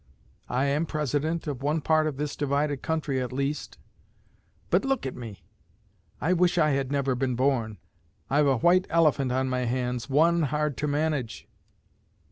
I am President of one part of this divided country at least; but look at me! I wish I had never been born! I've a white elephant on my hands, one hard to manage.